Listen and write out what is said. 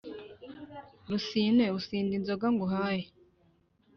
rusine, usinda inzoga nguhaye